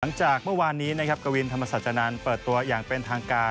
หลังจากเมื่อวานนี้กวินธรรมศจรรยานนั้นเปิดตัวอย่างเป็นทางกา